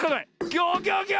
ギョギョギョ！